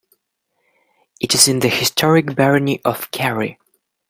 It is in the historic barony of Cary.